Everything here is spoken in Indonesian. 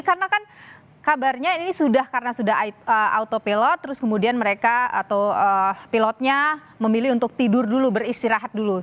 karena kan kabarnya ini sudah karena sudah autopilot terus kemudian mereka atau pilotnya memilih untuk tidur dulu beristirahat dulu